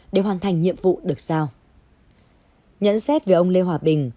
để hoàn thành nhiệm vụ được sao nhận xét về ông lê hòa bình